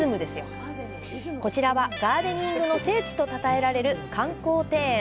こちらは「ガーデニングの聖地」とたたえられる観光庭園。